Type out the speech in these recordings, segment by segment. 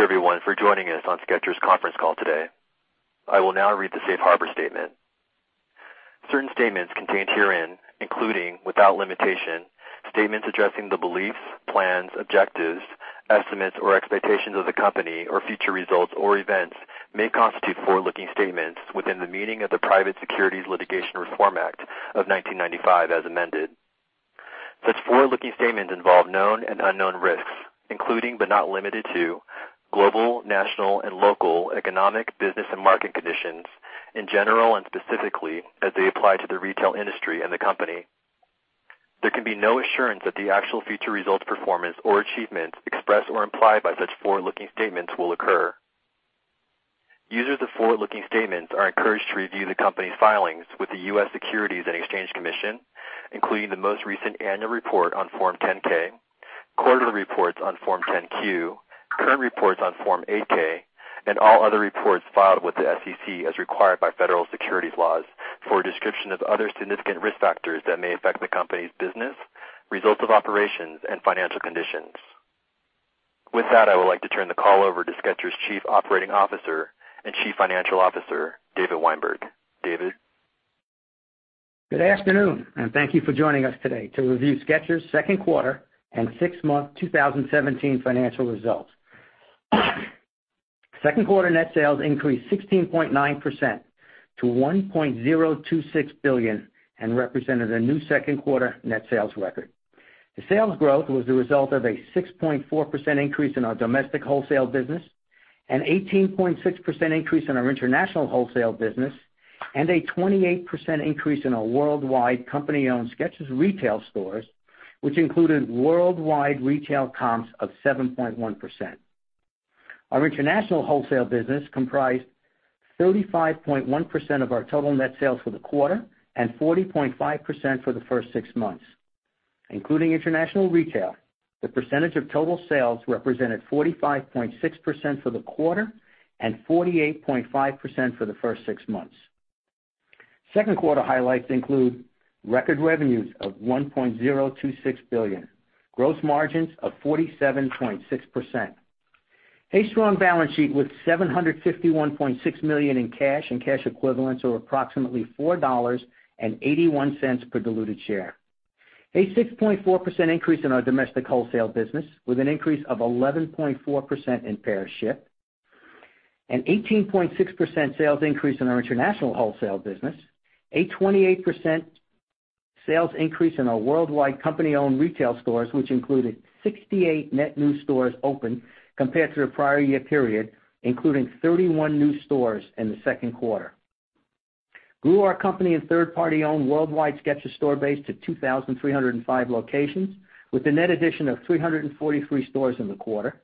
Thank you everyone for joining us on Skechers conference call today. I will now read the safe harbor statement. Certain statements contained herein, including without limitation, statements addressing the beliefs, plans, objectives, estimates, or expectations of the company or future results or events may constitute forward-looking statements within the meaning of the Private Securities Litigation Reform Act of 1995 as amended. Such forward-looking statements involve known and unknown risks, including but not limited to global, national, and local economic, business, and market conditions in general and specifically as they apply to the retail industry and the company. There can be no assurance that the actual future results, performance, or achievements expressed or implied by such forward-looking statements will occur. Users of forward-looking statements are encouraged to review the company's filings with the U.S. Securities and Exchange Commission, including the most recent annual report on Form 10-K, quarterly reports on Form 10-Q, current reports on Form 8-K, and all other reports filed with the SEC as required by federal securities laws for a description of other significant risk factors that may affect the company's business, results of operations, and financial conditions. With that, I would like to turn the call over to Skechers' Chief Operating Officer and Chief Financial Officer, David Weinberg. David? Good afternoon, and thank you for joining us today to review Skechers' second quarter and six-month 2017 financial results. Second quarter net sales increased 16.9% to $1.026 billion and represented a new second quarter net sales record. The sales growth was the result of a 6.4% increase in our domestic wholesale business, an 18.6% increase in our international wholesale business, and a 28% increase in our worldwide company-owned Skechers retail stores, which included worldwide retail comps of 7.1%. Our international wholesale business comprised 35.1% of our total net sales for the quarter and 40.5% for the first six months. Including international retail, the percentage of total sales represented 45.6% for the quarter and 48.5% for the first six months. Second quarter highlights include record revenues of $1.026 billion, gross margins of 47.6%, a strong balance sheet with $751.6 million in cash and cash equivalents or approximately $4.81 per diluted share. 6.4% increase in our domestic wholesale business, with an increase of 11.4% in pair shipped. 18.6% sales increase in our international wholesale business, a 28% sales increase in our worldwide company-owned retail stores, which included 68 net new stores opened compared to the prior year period, including 31 new stores in the second quarter. Grew our company and third party-owned worldwide Skechers store base to 2,305 locations with a net addition of 343 stores in the quarter.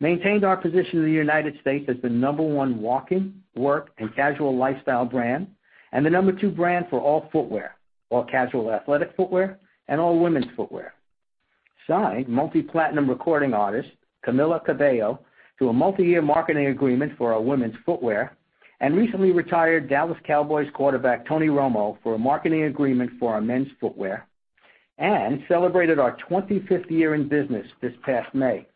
Maintained our position in the United States as the number 1 walking, work, and casual lifestyle brand, and the number 2 brand for all footwear, all casual athletic footwear, and all women's footwear. Signed multi-platinum recording artist, Camila Cabello, to a multiyear marketing agreement for our women's footwear, and recently retired Dallas Cowboys quarterback, Tony Romo, for a marketing agreement for our men's footwear, and celebrated our 25th year in business this past May.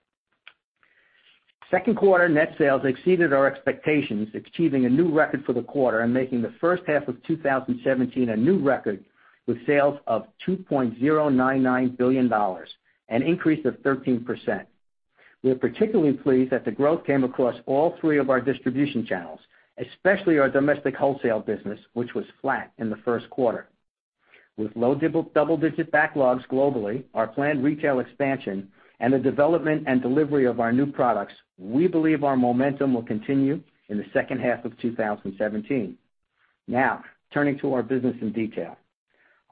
Second quarter net sales exceeded our expectations, achieving a new record for the quarter and making the first half of 2017 a new record with sales of $2.099 billion, an increase of 13%. We are particularly pleased that the growth came across all three of our distribution channels, especially our domestic wholesale business, which was flat in the first quarter. With low double-digit backlogs globally, our planned retail expansion, and the development and delivery of our new products, we believe our momentum will continue in the second half of 2017. Now, turning to our business in detail.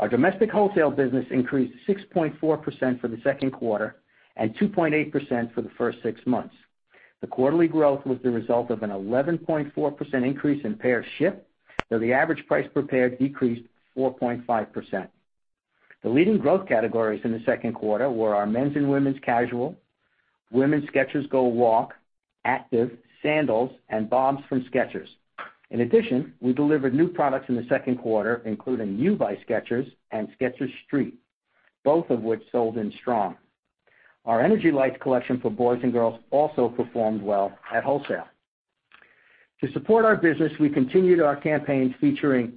Our domestic wholesale business increased 6.4% for the second quarter and 2.8% for the first six months. The quarterly growth was the result of an 11.4% increase in pairs shipped, though the average price per pair decreased 4.5%. The leading growth categories in the second quarter were our men's and women's casual, women's Skechers GO WALK, Active, Sandals, and BOBS from Skechers. In addition, we delivered new products in the second quarter, including YOU by Skechers and Skechers Street, both of which sold in strong. Our Energy Lights collection for boys and girls also performed well at wholesale. To support our business, we continued our campaigns featuring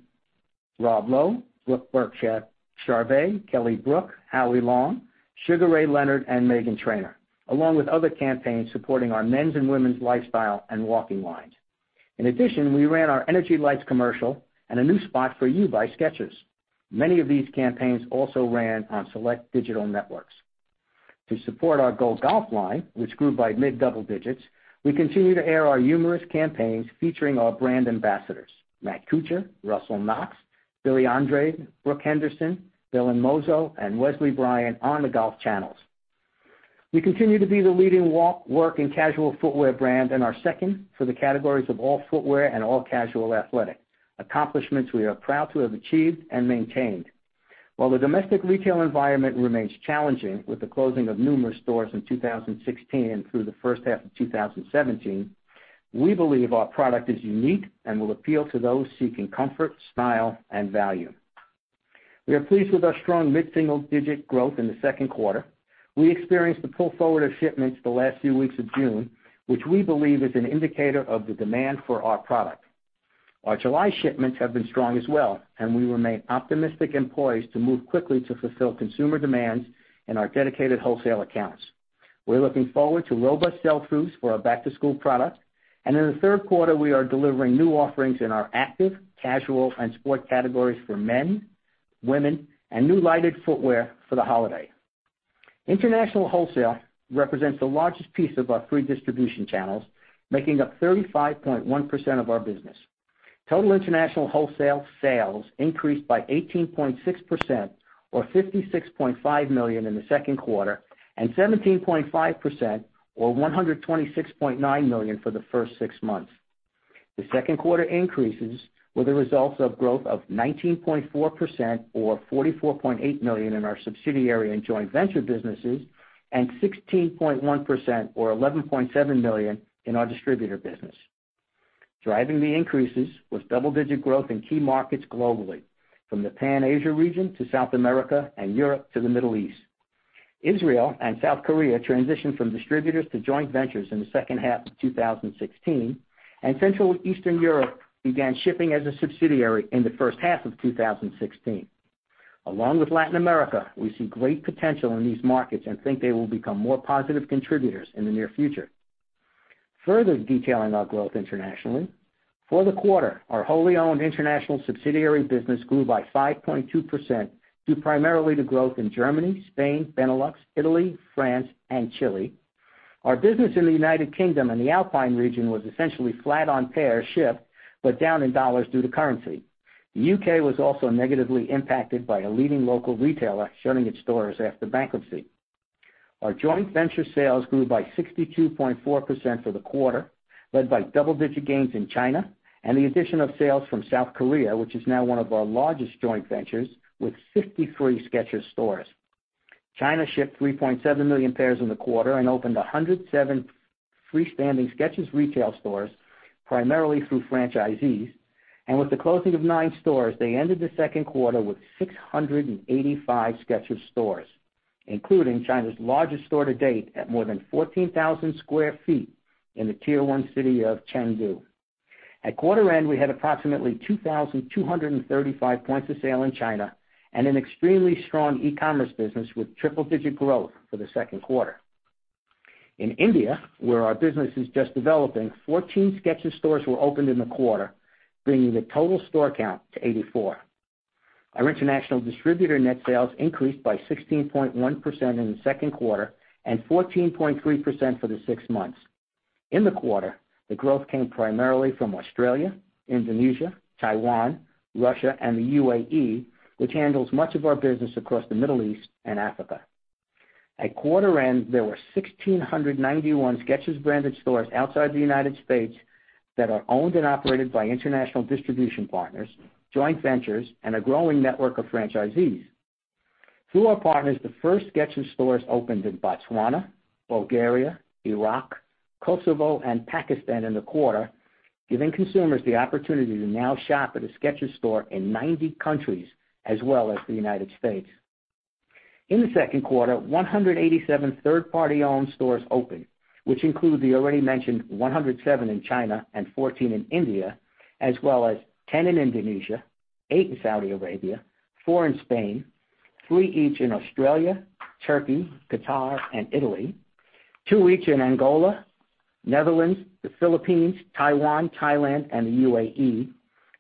Rob Lowe, Brooke Burke-Charvet, Kelly Brook, Howie Long, Sugar Ray Leonard, and Meghan Trainor, along with other campaigns supporting our men's and women's lifestyle and walking lines. In addition, we ran our Energy Lights commercial and a new spot for YOU by Skechers. Many of these campaigns also ran on select digital networks. To support our GO GOLF line, which grew by mid double digits, we continue to air our humorous campaigns featuring our brand ambassadors Matt Kuchar, Russell Knox, Billy Andrade, Brooke Henderson, Dylan Frittelli, and Wesley Bryan on the golf channels. We continue to be the leading walk, work, and casual footwear brand and are second for the categories of all footwear and all casual athletic. Accomplishments we are proud to have achieved and maintained. While the domestic retail environment remains challenging with the closing of numerous stores in 2016 through the first half of 2017, we believe our product is unique and will appeal to those seeking comfort, style, and value. We are pleased with our strong mid-single-digit growth in the second quarter. We experienced the pull forward of shipments the last few weeks of June, which we believe is an indicator of the demand for our product. Our July shipments have been strong as well, and we remain optimistic and poised to move quickly to fulfill consumer demands in our dedicated wholesale accounts. We're looking forward to robust sell-throughs for our back-to-school product. In the third quarter, we are delivering new offerings in our active, casual, and sport categories for men, women, and new lighted footwear for the holiday. International wholesale represents the largest piece of our three distribution channels, making up 35.1% of our business. Total international wholesale sales increased by 18.6%, or $56.5 million in the second quarter, and 17.5%, or $126.9 million for the first six months. The second quarter increases were the results of growth of 19.4%, or $44.8 million in our subsidiary and joint venture businesses, and 16.1%, or $11.7 million in our distributor business. Driving the increases was double-digit growth in key markets globally, from the Pan-Asia region to South America and Europe to the Middle East. Israel and South Korea transitioned from distributors to joint ventures in the second half of 2016, and Central Eastern Europe began shipping as a subsidiary in the first half of 2016. Along with Latin America, we see great potential in these markets and think they will become more positive contributors in the near future. Further detailing our growth internationally, for the quarter, our wholly owned international subsidiary business grew by 5.2% due primarily to growth in Germany, Spain, Benelux, Italy, France, and Chile. Our business in the U.K. and the Alpine region was essentially flat on pair shipped, but down in U.S. dollars due to currency. The U.K. was also negatively impacted by a leading local retailer shutting its stores after bankruptcy. Our joint venture sales grew by 62.4% for the quarter, led by double-digit gains in China and the addition of sales from South Korea, which is now one of our largest joint ventures with 53 Skechers stores. China shipped 3.7 million pairs in the quarter and opened 107 freestanding Skechers retail stores, primarily through franchisees. With the closing of nine stores, they ended the second quarter with 685 Skechers stores, including China's largest store to date at more than 14,000 sq ft in the Tier 1 city of Chengdu. At quarter end, we had approximately 2,235 points of sale in China and an extremely strong e-commerce business with triple-digit growth for the second quarter. In India, where our business is just developing, 14 Skechers stores were opened in the quarter, bringing the total store count to 84. Our international distributor net sales increased by 16.1% in the second quarter and 14.3% for the six months. In the quarter, the growth came primarily from Australia, Indonesia, Taiwan, Russia, and the U.A.E., which handles much of our business across the Middle East and Africa. At quarter end, there were 1,691 Skechers-branded stores outside the U.S. that are owned and operated by international distribution partners, joint ventures, and a growing network of franchisees. Through our partners, the first Skechers stores opened in Botswana, Bulgaria, Iraq, Kosovo, and Pakistan in the quarter, giving consumers the opportunity to now shop at a Skechers store in 90 countries as well as the U.S. In the second quarter, 187 third-party owned stores opened, which include the already mentioned 107 in China and 14 in India, as well as 10 in Indonesia, eight in Saudi Arabia, four in Spain, three each in Australia, Turkey, Qatar, and Italy. Two each in Angola, Netherlands, the Philippines, Taiwan, Thailand, and the U.A.E.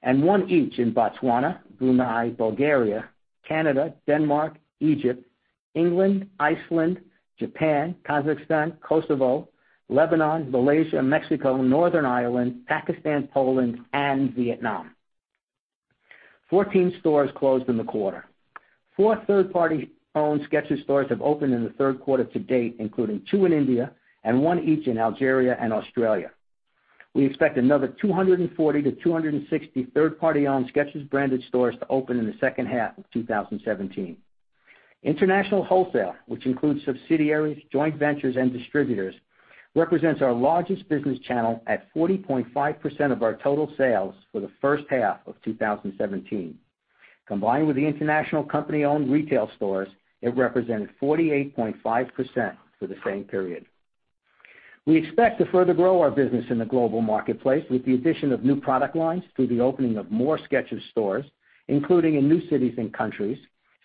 One each in Botswana, Brunei, Bulgaria, Canada, Denmark, Egypt, England, Iceland, Japan, Kazakhstan, Kosovo, Lebanon, Malaysia, Mexico, Northern Ireland, Pakistan, Poland, and Vietnam. 14 stores closed in the quarter. Four third-party owned Skechers stores have opened in the third quarter to date, including two in India and one each in Algeria and Australia. We expect another 240-260 third-party owned Skechers branded stores to open in the second half of 2017. International wholesale, which includes subsidiaries, joint ventures, and distributors, represents our largest business channel at 40.5% of our total sales for the first half of 2017. Combined with the international company-owned retail stores, it represented 48.5% for the same period. We expect to further grow our business in the global marketplace with the addition of new product lines through the opening of more Skechers stores, including in new cities and countries,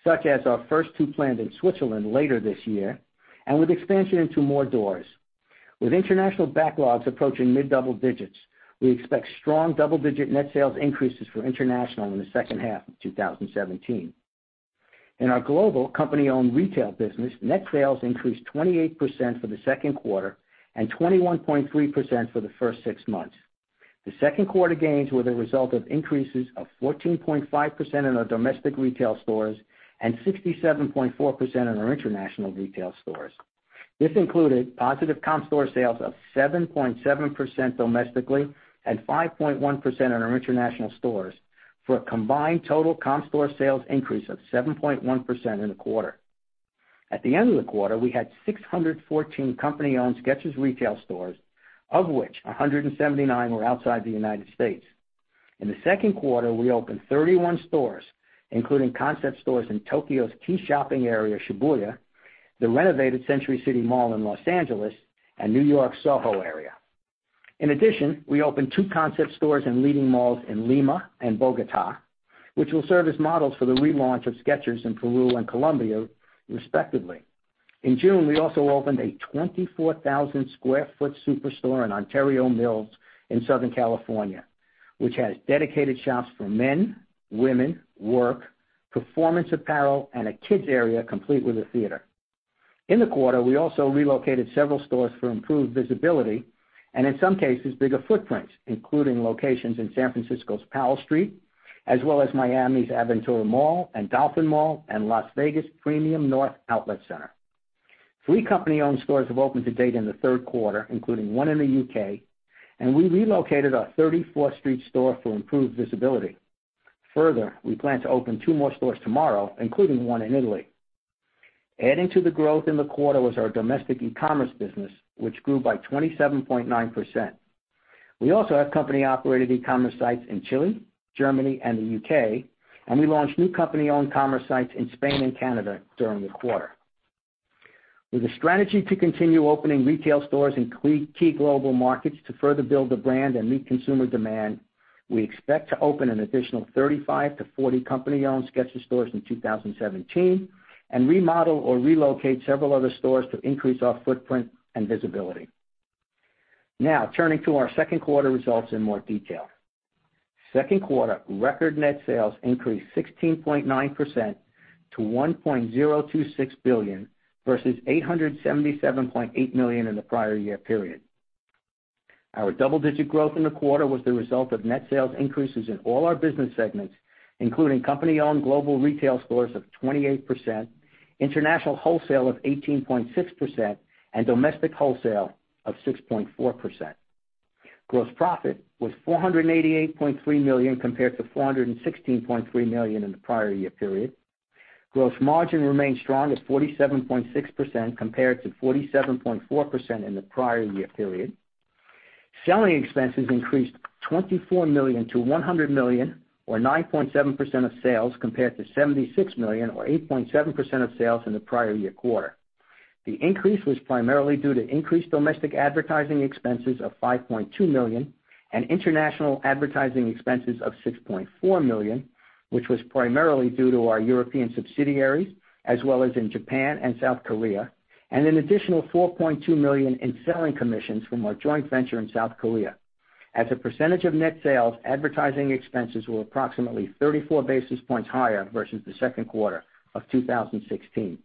such as our first two planned in Switzerland later this year, and with expansion into more doors. With international backlogs approaching mid double digits, we expect strong double-digit net sales increases for international in the second half of 2017. In our global company-owned retail business, net sales increased 28% for the second quarter and 21.3% for the first six months. The second quarter gains were the result of increases of 14.5% in our domestic retail stores and 67.4% in our international retail stores. This included positive comp store sales of 7.7% domestically and 5.1% in our international stores for a combined total comp store sales increase of 7.1% in the quarter. At the end of the quarter, we had 614 company-owned Skechers retail stores, of which 179 were outside the U.S. In the second quarter, we opened 31 stores, including concept stores in Tokyo's key shopping area, Shibuya, the renovated Century City Mall in L.A., and N.Y.'s SoHo area. In addition, we opened two concept stores in leading malls in Lima and Bogota, which will serve as models for the relaunch of Skechers in Peru and Colombia, respectively. In June, we also opened a 24,000 sq ft superstore in Ontario Mills in Southern California, which has dedicated shops for men, women, work, performance apparel, and a kids area complete with a theater. In the quarter, we also relocated several stores for improved visibility and, in some cases, bigger footprints, including locations in San Francisco's Powell Street, as well as Miami's Aventura Mall and Dolphin Mall, and Las Vegas Premium Outlets North. Three company-owned stores have opened to date in the third quarter, including one in the U.K., and we relocated our 34th Street store for improved visibility. Further, we plan to open two more stores tomorrow, including one in Italy. Adding to the growth in the quarter was our domestic e-commerce business, which grew by 27.9%. We also have company-operated e-commerce sites in Chile, Germany, and the U.K., and we launched new company-owned commerce sites in Spain and Canada during the quarter. With a strategy to continue opening retail stores in key global markets to further build the brand and meet consumer demand, we expect to open an additional 35-40 company-owned Skechers stores in 2017 and remodel or relocate several other stores to increase our footprint and visibility. Now, turning to our second quarter results in more detail. Second quarter record net sales increased 16.9% to $1.026 billion, versus $877.8 million in the prior year period. Our double-digit growth in the quarter was the result of net sales increases in all our business segments, including company-owned global retail stores of 28%, international wholesale of 18.6%, and domestic wholesale of 6.4%. Gross profit was $488.3 million, compared to $416.3 million in the prior year period. Gross margin remained strong at 47.6%, compared to 47.4% in the prior year period. Selling expenses increased $24 million to $100 million, or 9.7% of sales, compared to $76 million, or 8.7% of sales in the prior year quarter. The increase was primarily due to increased domestic advertising expenses of $5.2 million and international advertising expenses of $6.4 million, which was primarily due to our European subsidiaries, as well as in Japan and South Korea, and an additional $4.2 million in selling commissions from our joint venture in South Korea. As a percentage of net sales, advertising expenses were approximately 34 basis points higher versus the second quarter of 2016.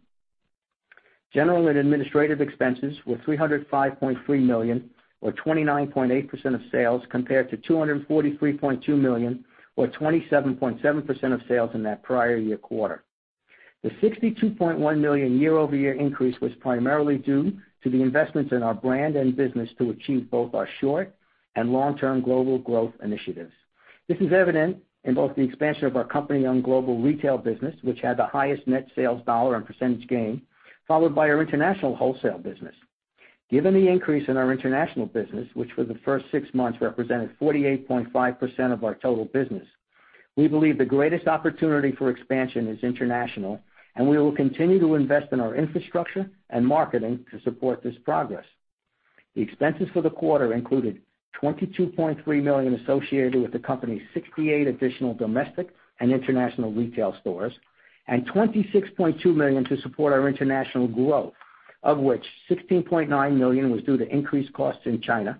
General and administrative expenses were $305.3 million, or 29.8% of sales, compared to $243.2 million, or 27.7% of sales in that prior year quarter. The $62.1 million year-over-year increase was primarily due to the investments in our brand and business to achieve both our short- and long-term global growth initiatives. This is evident in both the expansion of our company-owned global retail business, which had the highest net sales dollar and percentage gain, followed by our international wholesale business. Given the increase in our international business, which for the first six months represented 48.5% of our total business, we believe the greatest opportunity for expansion is international. We will continue to invest in our infrastructure and marketing to support this progress. The expenses for the quarter included $22.3 million associated with the company's 68 additional domestic and international retail stores, $26.2 million to support our international growth, of which $16.9 million was due to increased costs in China,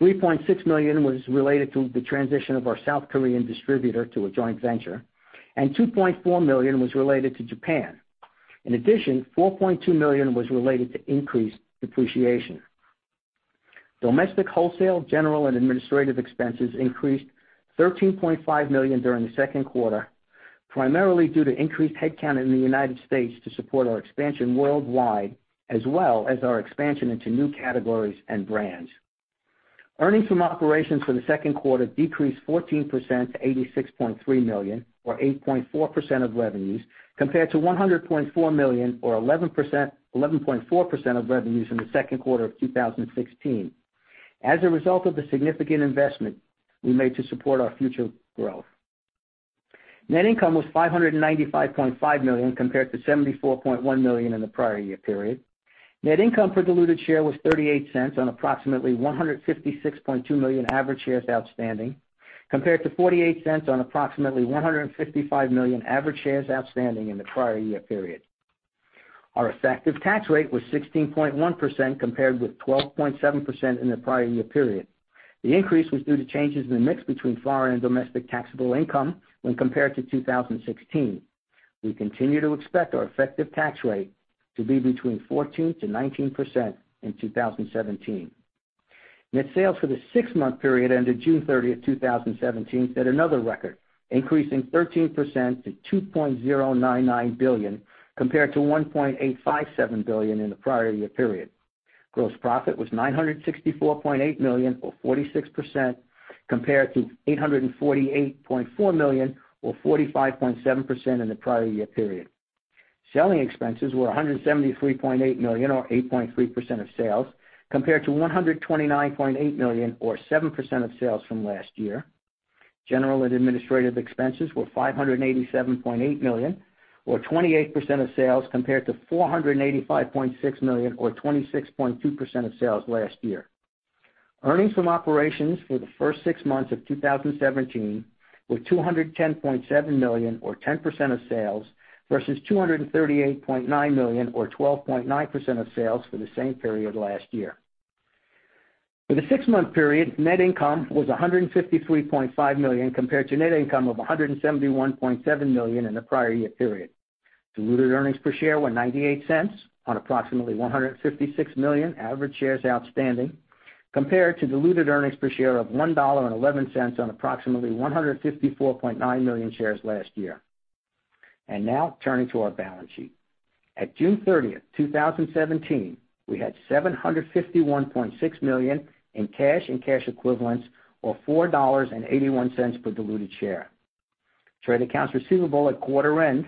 $3.6 million was related to the transition of our South Korean distributor to a joint venture, and $2.4 million was related to Japan. In addition, $4.2 million was related to increased depreciation. Domestic wholesale, general and administrative expenses increased $13.5 million during the second quarter, primarily due to increased headcount in the U.S. to support our expansion worldwide, as well as our expansion into new categories and brands. Earnings from operations for the second quarter decreased 14% to $86.3 million, or 8.4% of revenues, compared to $100.4 million or 11.4% of revenues in the second quarter of 2016 as a result of the significant investment we made to support our future growth. Net income was $59.5 million, compared to $74.1 million in the prior year period. Net income per diluted share was $0.38 on approximately 156.2 million average shares outstanding, compared to $0.48 on approximately 155 million average shares outstanding in the prior year period. Our effective tax rate was 16.1%, compared with 12.7% in the prior year period. The increase was due to changes in the mix between foreign and domestic taxable income when compared to 2016. We continue to expect our effective tax rate to be between 14%-19% in 2017. Net sales for the six-month period ended June 30, 2017, set another record, increasing 13% to $2.099 billion, compared to $1.857 billion in the prior year period. Gross profit was $964.8 million, or 46%, compared to $848.4 million, or 45.7%, in the prior year period. Selling expenses were $173.8 million, or 8.3% of sales, compared to $129.8 million, or 7% of sales from last year. General and administrative expenses were $587.8 million, or 28% of sales, compared to $485.6 million, or 26.2% of sales last year. Earnings from operations for the first six months of 2017 were $210.7 million, or 10% of sales, versus $238.9 million, or 12.9% of sales for the same period last year. For the six-month period, net income was $153.5 million, compared to net income of $171.7 million in the prior year period. Diluted earnings per share were $0.98 on approximately 156 million average shares outstanding, compared to diluted earnings per share of $1.11 on approximately 154.9 million shares last year. Now turning to our balance sheet. At June 30, 2017, we had $751.6 million in cash and cash equivalents, or $4.81 per diluted share. Trade accounts receivable at quarter end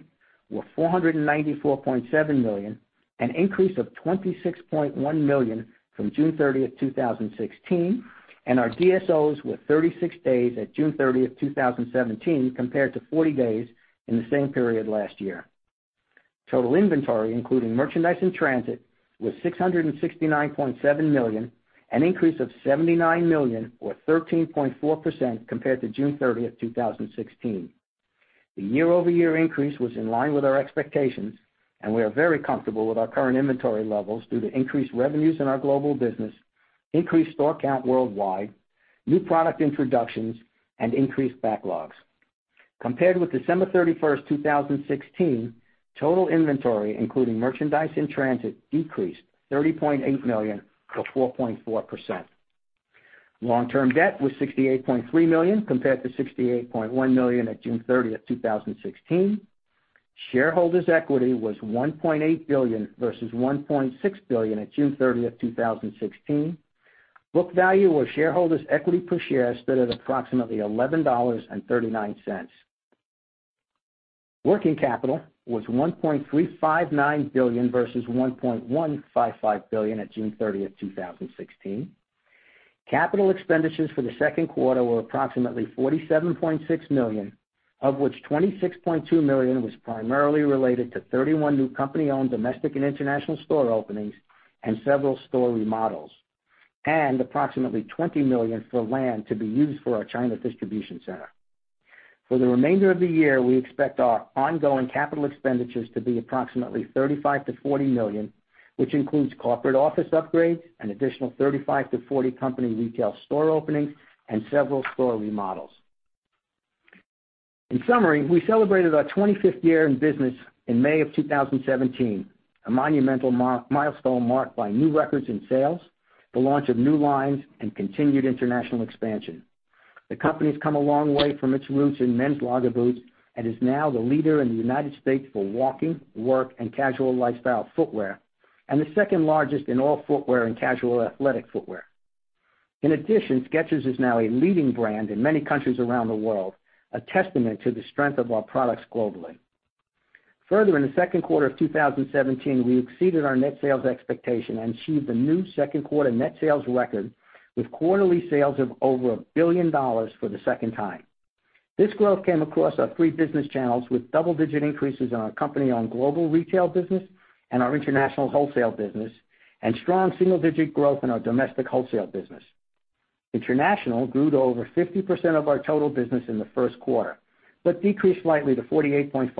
were $494.7 million, an increase of $26.1 million from June 30, 2016, and our DSOs were 36 days at June 30, 2017, compared to 40 days in the same period last year. Total inventory, including merchandise in transit, was $669.7 million, an increase of $79 million, or 13.4%, compared to June 30, 2016. The year-over-year increase was in line with our expectations, and we are very comfortable with our current inventory levels due to increased revenues in our global business, increased store count worldwide, new product introductions, and increased backlogs. Compared with December 31, 2016, total inventory, including merchandise in transit, decreased $30.8 million, or 4.4%. Long-term debt was $68.3 million, compared to $68.1 million at June 30, 2016. Shareholders' equity was $1.8 billion versus $1.6 billion at June 30, 2016. Book value or shareholders' equity per share stood at approximately $11.39. Working capital was $1.359 billion versus $1.155 billion at June 30, 2016. Capital expenditures for the second quarter were approximately $47.6 million, of which $26.2 million was primarily related to 31 new company-owned domestic and international store openings and several store remodels, and approximately $20 million for land to be used for our China distribution center. For the remainder of the year, we expect our ongoing capital expenditures to be approximately $35 million-$40 million, which includes corporate office upgrades, an additional 35-40 company retail store openings, and several store remodels. In summary, we celebrated our 25th year in business in May of 2017, a monumental milestone marked by new records in sales, the launch of new lines, and continued international expansion. The company's come a long way from its roots in men's logger boots and is now the leader in the United States for walking, work, and casual lifestyle footwear, and the second largest in all footwear and casual athletic footwear. In addition, Skechers is now a leading brand in many countries around the world, a testament to the strength of our products globally. Further, in the second quarter of 2017, we exceeded our net sales expectation and achieved a new second quarter net sales record, with quarterly sales of over $1 billion for the second time. This growth came across our three business channels, with double-digit increases in our company-owned global retail business and our international wholesale business, and strong single-digit growth in our domestic wholesale business. International grew to over 50% of our total business in the first quarter, but decreased slightly to 48.5%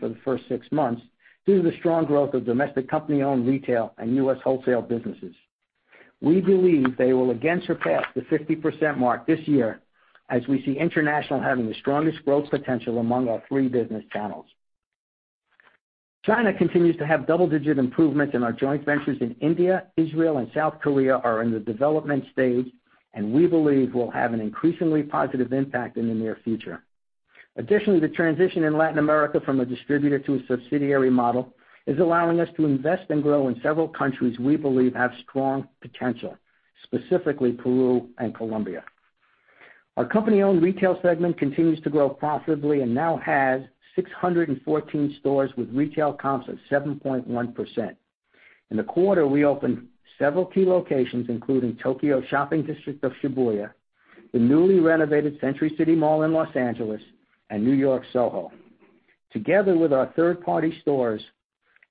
for the first six months due to the strong growth of domestic company-owned retail and U.S. wholesale businesses. We believe they will again surpass the 50% mark this year, as we see international having the strongest growth potential among our three business channels. China continues to have double-digit improvements, and our joint ventures in India, Israel, and South Korea are in the development stage, and we believe will have an increasingly positive impact in the near future. Additionally, the transition in Latin America from a distributor to a subsidiary model is allowing us to invest and grow in several countries we believe have strong potential, specifically Peru and Colombia. Our company-owned retail segment continues to grow profitably and now has 614 stores with retail comps of 7.1%. In the quarter, we opened several key locations, including Tokyo's shopping district of Shibuya, the newly renovated Century City Mall in Los Angeles, and New York's Soho. Together with our third-party stores,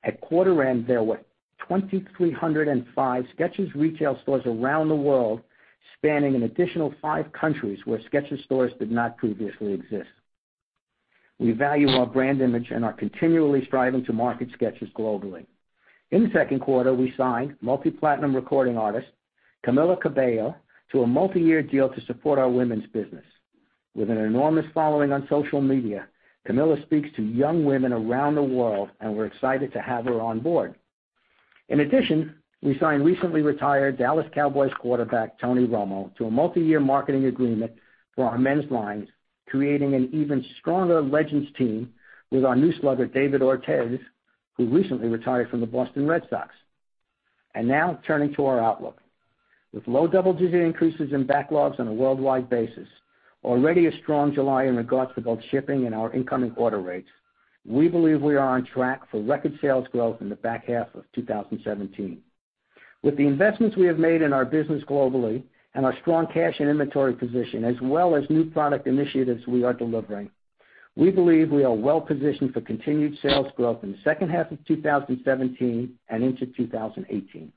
at quarter end, there were 2,305 Skechers retail stores around the world, spanning an additional five countries where Skechers stores did not previously exist. We value our brand image and are continually striving to market Skechers globally. In the second quarter, we signed multi-platinum recording artist Camila Cabello to a multiyear deal to support our women's business. With an enormous following on social media, Camila speaks to young women around the world, we're excited to have her on board. In addition, we signed recently retired Dallas Cowboys quarterback Tony Romo to a multiyear marketing agreement for our men's lines, creating an even stronger legends team with our new slugger, David Ortiz, who recently retired from the Boston Red Sox. Now turning to our outlook. With low double-digit increases in backlogs on a worldwide basis, already a strong July in regards to both shipping and our incoming order rates, we believe we are on track for record sales growth in the back half of 2017. With the investments we have made in our business globally and our strong cash and inventory position, as well as new product initiatives we are delivering, we believe we are well positioned for continued sales growth in the second half of 2017 and into 2018.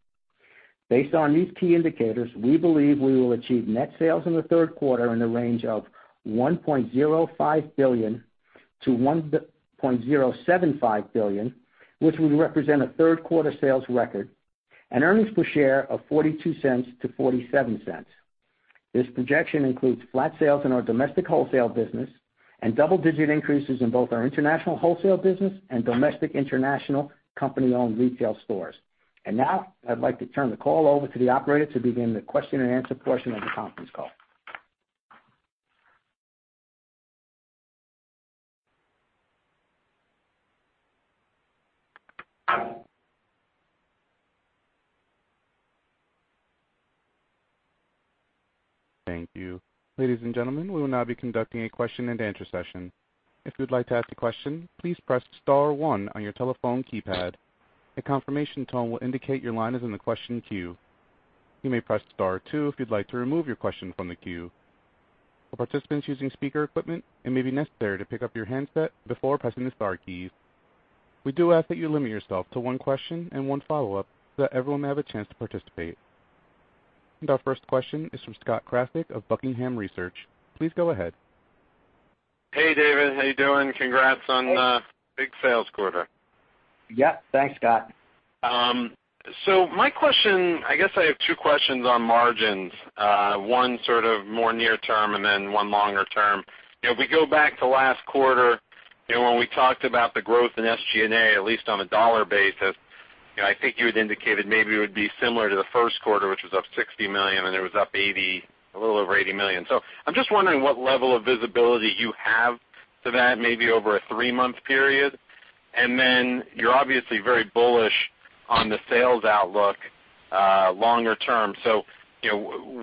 Based on these key indicators, we believe we will achieve net sales in the third quarter in the range of $1.05 billion-$1.075 billion, which would represent a third quarter sales record, and earnings per share of $0.42-$0.47. This projection includes flat sales in our domestic wholesale business and double-digit increases in both our international wholesale business and domestic international company-owned retail stores. Now, I'd like to turn the call over to the operator to begin the question and answer portion of the conference call. Thank you. Ladies and gentlemen, we will now be conducting a question and answer session. If you would like to ask a question, please press *1 on your telephone keypad. A confirmation tone will indicate your line is in the question queue. You may press *2 if you'd like to remove your question from the queue. For participants using speaker equipment, it may be necessary to pick up your handset before pressing the star keys. We do ask that you limit yourself to one question and one follow-up so that everyone may have a chance to participate. Our first question is from Scott Krasik of Buckingham Research. Please go ahead. Hey, David. How are you doing? Congrats on a big sales quarter. Yeah. Thanks, Scott. My question, I guess I have two questions on margins. One sort of more near term, and then one longer term. If we go back to last quarter, when we talked about the growth in SG&A, at least on a dollar basis, I think you had indicated maybe it would be similar to the first quarter, which was up $60 million, and it was up a little over $80 million. I'm just wondering what level of visibility you have to that, maybe over a three-month period. You're obviously very bullish on the sales outlook longer term.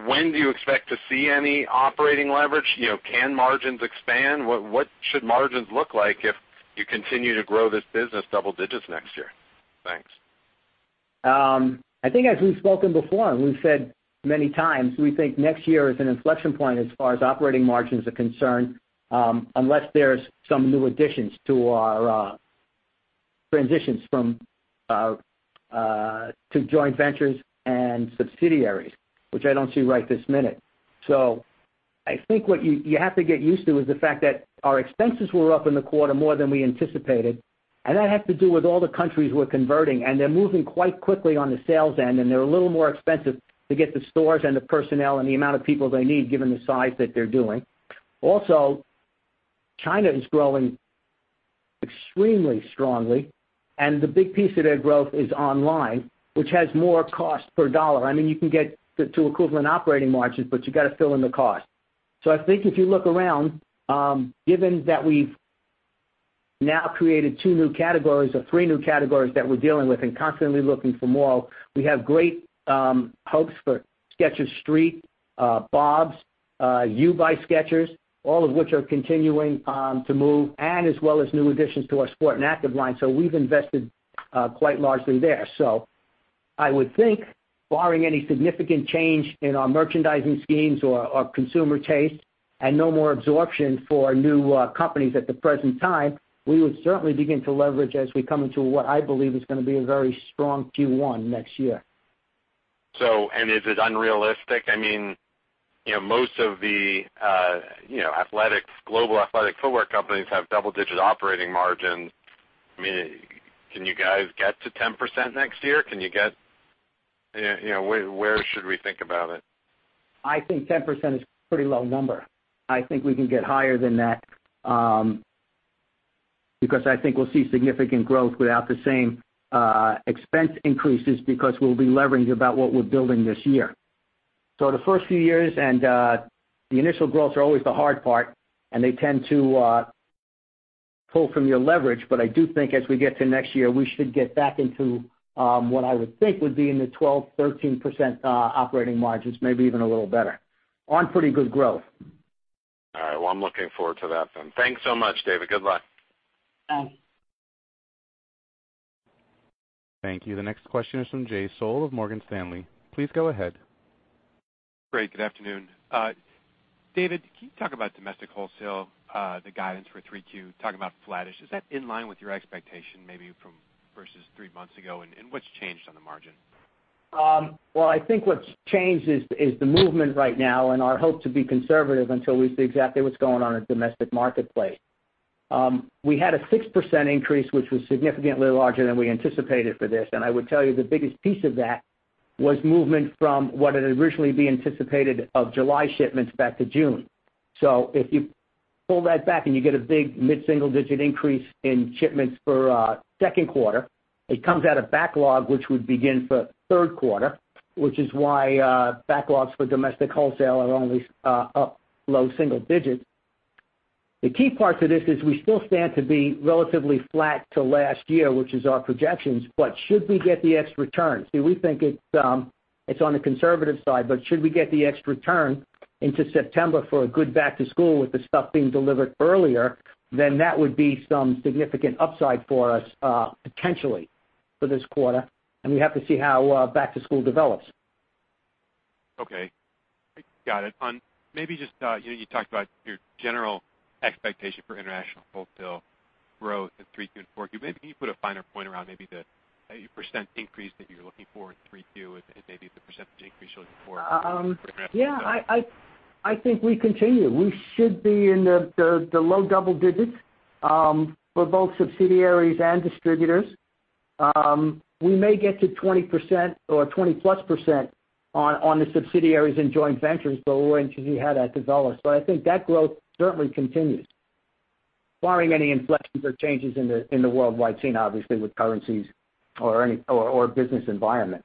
When do you expect to see any operating leverage? Can margins expand? What should margins look like if you continue to grow this business double digits next year? Thanks. I think as we've spoken before, and we've said many times, we think next year is an inflection point as far as operating margins are concerned, unless there's some new additions to our transitions to joint ventures and subsidiaries, which I don't see right this minute. I think what you have to get used to is the fact that our expenses were up in the quarter more than we anticipated, and that had to do with all the countries we're converting, and they're moving quite quickly on the sales end, and they're a little more expensive to get the stores and the personnel and the amount of people they need, given the size that they're doing. Also, China is growing extremely strongly, and the big piece of their growth is online, which has more cost per dollar. I mean, you can get to equivalent operating margins, but you've got to fill in the cost. I think if you look around, given that we've now created two new categories or three new categories that we're dealing with and constantly looking for more, we have great hopes for Skechers Street, BOBS, YOU by Skechers, all of which are continuing to move and as well as new additions to our sport and active line. I would think barring any significant change in our merchandising schemes or consumer taste and no more absorption for new companies at the present time, we would certainly begin to leverage as we come into what I believe is going to be a very strong Q1 next year. Is it unrealistic? I mean, most of the global athletic footwear companies have double-digit operating margins. Can you guys get to 10% next year? Where should we think about it? I think 10% is a pretty low number. I think we can get higher than that because I think we'll see significant growth without the same expense increases because we'll be levering about what we're building this year. The first few years and the initial growth are always the hard part, and they tend to pull from your leverage. I do think as we get to next year, we should get back into what I would think would be in the 12%, 13% operating margins, maybe even a little better, on pretty good growth. All right. Well, I'm looking forward to that then. Thanks so much, David. Good luck. Thanks. Thank you. The next question is from Jay Sole of Morgan Stanley. Please go ahead. Great. Good afternoon. David, can you talk about domestic wholesale, the guidance for 3Q, talking about flattish, is that in line with your expectation maybe versus three months ago? What's changed on the margin? Well, I think what's changed is the movement right now and our hope to be conservative until we see exactly what's going on in the domestic marketplace. We had a 6% increase, which was significantly larger than we anticipated for this. I would tell you the biggest piece of that was movement from what had originally been anticipated of July shipments back to June. If you pull that back and you get a big mid-single-digit increase in shipments for second quarter, it comes out of backlog, which would begin for third quarter, which is why backlogs for domestic wholesale are only up low single digits. The key part to this is we still stand to be relatively flat to last year, which is our projections. Should we get the extra turn, we think it's on the conservative side, should we get the extra turn into September for a good back to school with the stuff being delivered earlier, that would be some significant upside for us, potentially, for this quarter. We have to see how back to school develops. Okay. Got it. You talked about your general expectation for international wholesale growth in 3Q and 4Q. Can you put a finer point around maybe the % increase that you're looking for in 3Q and maybe the % increase looking for? Yeah. I think I continue. We should be in the low double digits, for both subsidiaries and distributors. We may get to 20% or 20%-plus on the subsidiaries and joint ventures, we're waiting to see how that develops. I think that growth certainly continues. Barring any inflections or changes in the worldwide scene, obviously, with currencies or business environment.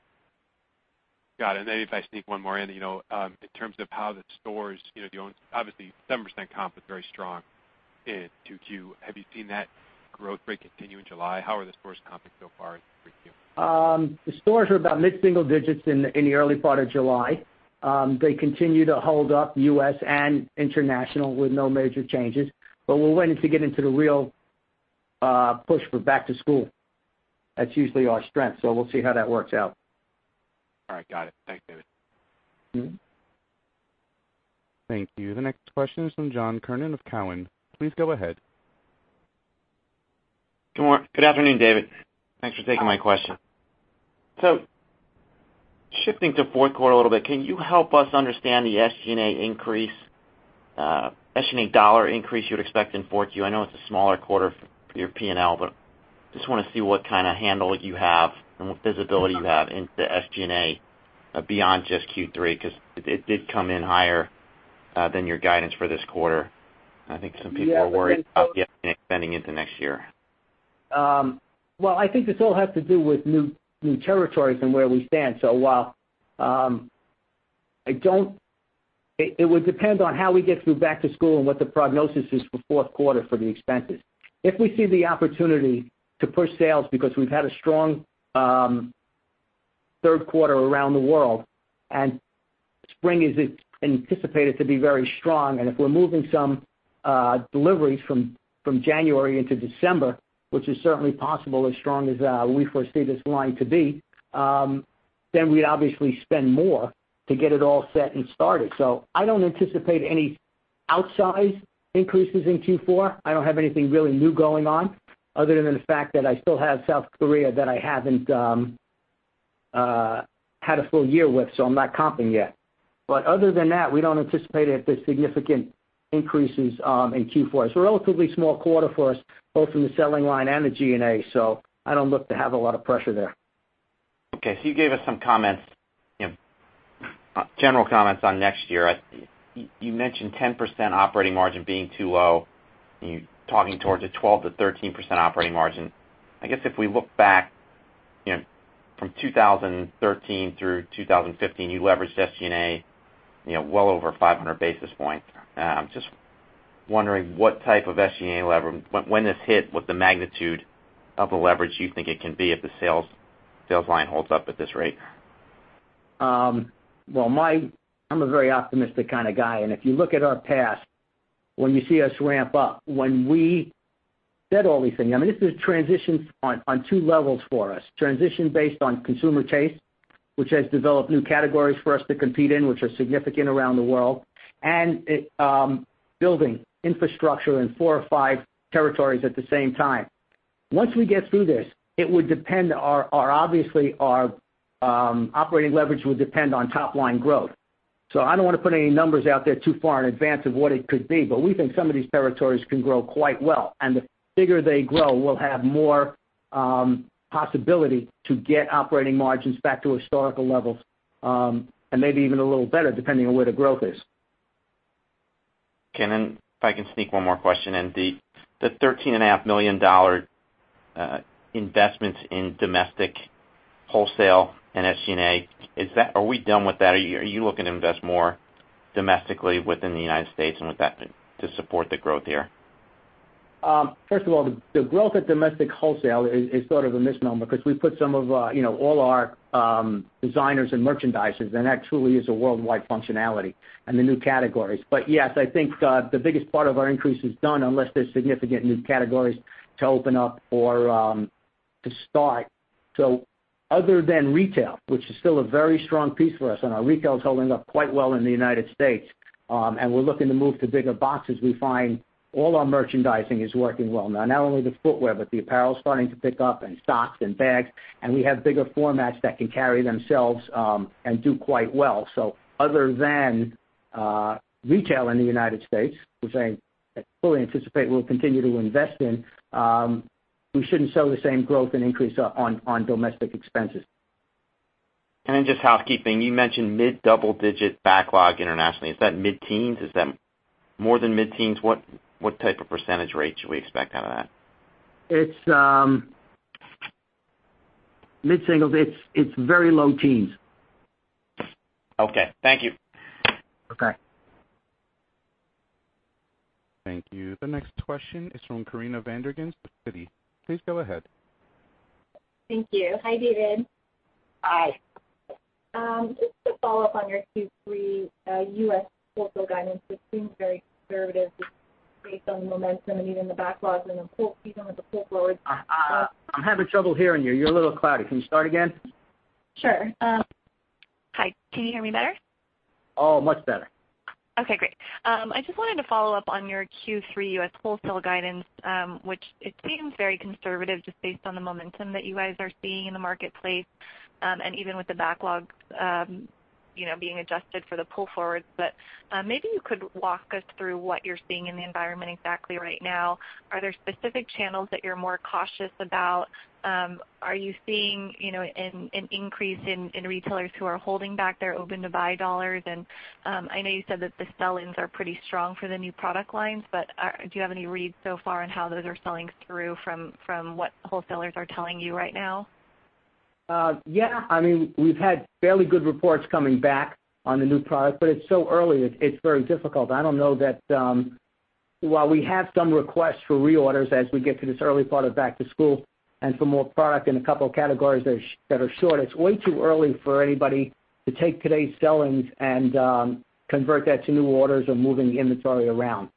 Got it. Then if I sneak one more in. In terms of how the stores, obviously 7% comp is very strong in 2Q. Have you seen that growth rate continue in July? How are the stores comping so far in 3Q? The stores are about mid-single digits in the early part of July. They continue to hold up, U.S. and international, with no major changes. We're waiting to get into the real push for back to school. That's usually our strength, we'll see how that works out. All right. Got it. Thanks, David. Thank you. The next question is from John Kernan of Cowen. Please go ahead. Good afternoon, David. Thanks for taking my question. Shifting to fourth quarter a little bit, can you help us understand the SG&A dollar increase you would expect in 4Q? I know it's a smaller quarter for your P&L, just want to see what kind of handle you have and what visibility you have into SG&A beyond just Q3, because it did come in higher than your guidance for this quarter. I think some people are worried about the SG&A extending into next year. I think this all has to do with new territories and where we stand. It would depend on how we get through back to school and what the prognosis is for fourth quarter for the expenses. If we see the opportunity to push sales because we've had a strong third quarter around the world and spring is anticipated to be very strong, if we're moving some deliveries from January into December, which is certainly possible, as strong as we foresee this line to be, then we'd obviously spend more to get it all set and started. I don't anticipate any outsize increases in Q4. I don't have anything really new going on other than the fact that I still have South Korea that I haven't had a full year with, so I'm not comping yet. Other than that, we don't anticipate that there's significant increases in Q4. It's a relatively small quarter for us, both in the selling line and the G&A, I don't look to have a lot of pressure there. Okay. You gave us some general comments on next year. You mentioned 10% operating margin being too low, and you're talking towards a 12%-13% operating margin. I guess if we look back from 2013 through 2015, you leveraged SG&A well over 500 basis points. I'm just wondering what type of SG&A when this hit, what the magnitude of the leverage you think it can be if the sales line holds up at this rate. I'm a very optimistic kind of guy, and if you look at our past, when you see us ramp up, when we said all these things, I mean, this is a transition on two levels for us. Transition based on consumer taste, which has developed new categories for us to compete in, which are significant around the world, and building infrastructure in four or five territories at the same time. Once we get through this, obviously our operating leverage will depend on top-line growth. I don't want to put any numbers out there too far in advance of what it could be, but we think some of these territories can grow quite well. The bigger they grow, we'll have more possibility to get operating margins back to historical levels, and maybe even a little better, depending on where the growth is. Then if I can sneak one more question in. The $13.5 million investment in domestic wholesale and SG&A, are we done with that? Are you looking to invest more domestically within the United States and with that to support the growth here? First of all, the growth at domestic wholesale is sort of a misnomer because we put all our designers and merchandisers, that truly is a worldwide functionality and the new categories. Yes, I think the biggest part of our increase is done unless there's significant new categories to open up or to start. Other than retail, which is still a very strong piece for us, our retail is holding up quite well in the United States. We're looking to move to bigger boxes. We find all our merchandising is working well now. Not only the footwear, but the apparel is starting to pick up and socks and bags, and we have bigger formats that can carry themselves and do quite well. Other than retail in the United States, which I fully anticipate we'll continue to invest in, we shouldn't show the same growth and increase on domestic expenses. Then just housekeeping. You mentioned mid-double digit backlog internationally. Is that mid-teens? Is that more than mid-teens? What type of % rate should we expect out of that? Mid-singles. It's very low teens. Okay. Thank you. Okay. Thank you. The next question is from Corinna van der Ghinst of Citigroup. Please go ahead. Thank you. Hi, David. Hi. Just to follow up on your Q3, U.S. wholesale guidance, it seems very conservative just based on the momentum and even the backlogs in the full season with the pull forwards. I'm having trouble hearing you. You're a little cloudy. Can you start again? Sure. Hi, can you hear me better? Oh, much better. Okay, great. I just wanted to follow up on your Q3 U.S. wholesale guidance, which it seems very conservative just based on the momentum that you guys are seeing in the marketplace, and even with the backlogs being adjusted for the pull forwards. Maybe you could walk us through what you're seeing in the environment exactly right now. Are there specific channels that you're more cautious about? Are you seeing an increase in retailers who are holding back their open-to-buy dollars? I know you said that the sell-ins are pretty strong for the new product lines, but do you have any reads so far on how those are selling through from what wholesalers are telling you right now? Yeah. We've had fairly good reports coming back on the new product, but it's so early. It's very difficult. I don't know that while we have some requests for reorders as we get to this early part of back to school and for more product in a couple of categories that are short, it's way too early for anybody to take today's sellings and convert that to new orders or moving the inventory around.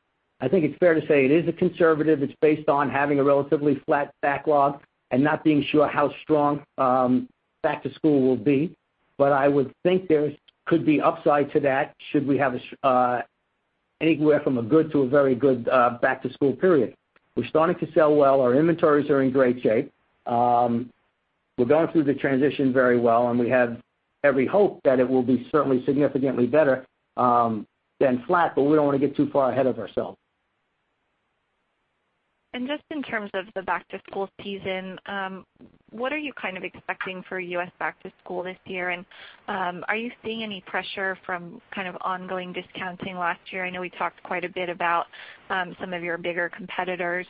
I think it's fair to say it is a conservative. It's based on having a relatively flat backlog and not being sure how strong back to school will be. I would think there could be upside to that should we have anywhere from a good to a very good back to school period. We're starting to sell well. Our inventories are in great shape. We're going through the transition very well, and we have every hope that it will be certainly significantly better than flat, but we don't want to get too far ahead of ourselves. Just in terms of the back to school season, what are you kind of expecting for U.S. back to school this year? Are you seeing any pressure from kind of ongoing discounting last year? I know we talked quite a bit about some of your bigger competitors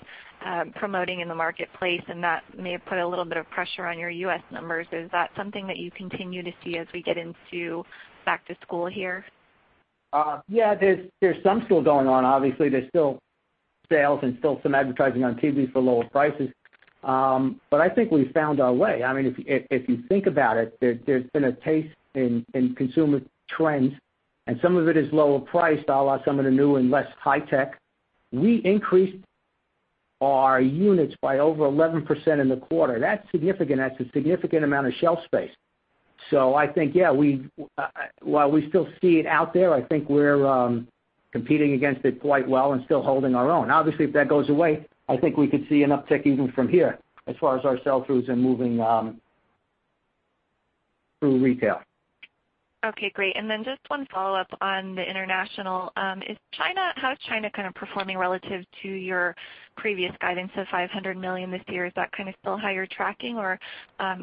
promoting in the marketplace, and that may have put a little bit of pressure on your U.S. numbers. Is that something that you continue to see as we get into back to school here? Yeah, there's some still going on. Obviously, there's still sales and still some advertising on TV for lower prices. I think we've found our way. If you think about it, there's been a taste in consumer trends, and some of it is lower priced, a la some of the new and less high tech. We increased our units by over 11% in the quarter. That's significant. That's a significant amount of shelf space. I think, yeah, while we still see it out there, I think we're competing against it quite well and still holding our own. Obviously, if that goes away, I think we could see an uptick even from here as far as our sell-throughs and moving through retail. Okay, great. Then just one follow-up on the international. How is China kind of performing relative to your previous guidance of $500 million this year? Is that kind of still how you're tracking, or